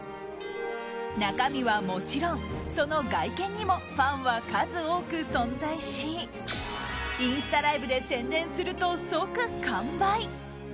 中身はもちろん、その外見にもファンは数多く存在しインスタライブで宣伝すると即完売！